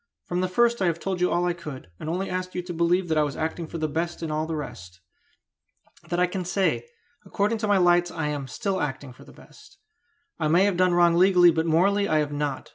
"From the first I have told you all I could, and only asked you to believe that I was acting for the best in all the rest. That I can say: according to my lights I am still acting for the best. I may have done wrong legally, but morally I have not.